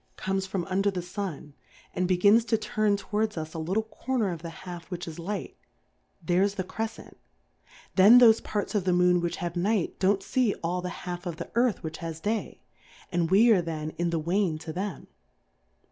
47 comes from under the Sun, and begins to turn towards us a little Corner of the half which is Light, there's the Crefcent ; then thofe Parts of the Moon which have Night don't fee all the half of the Earth which has Day, and we are then in the Wane to them.